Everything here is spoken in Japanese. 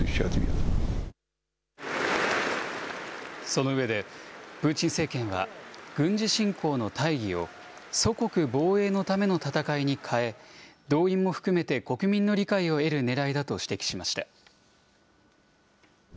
その上で、プーチン政権は軍事侵攻の大義を祖国防衛のための戦いに変え、動員も含めて国民の理解を得るねらいだと指摘しました。